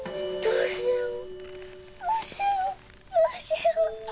どうしよう。